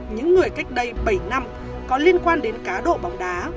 những người cách đây bảy năm có liên quan đến cá độ bóng đá